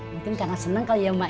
mungkin kakak seneng kali ya mak